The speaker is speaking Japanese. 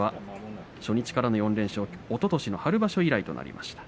初日からの４連勝はおととしの春場所以来となりました。